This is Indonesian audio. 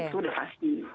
itu udah pasti